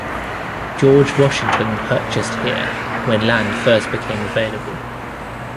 George Washington purchased here when land first became available.